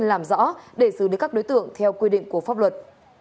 công an tp hồng ngự đã làm rõ để giữ được các đối tượng theo quy định của pháp luật